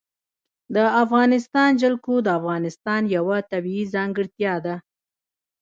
د افغانستان جلکو د افغانستان یوه طبیعي ځانګړتیا ده.